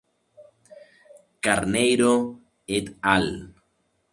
Carneiro "et al".